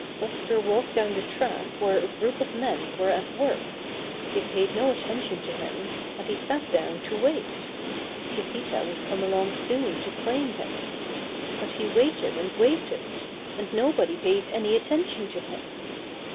Buster walked down the track where a group of men were at work. They paid no attention to him, and he sat down to wait. Chiquita would come along soon to claim him. But he waited and waited, and nobody paid any attention to him.